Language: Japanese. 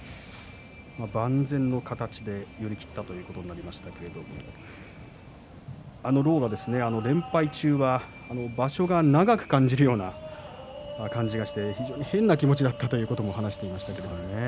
万全の形で寄り切ったということになりましたけれども狼雅、連敗中は場所が長く感じるような感じがして非常に変な気持ちだったと話していました。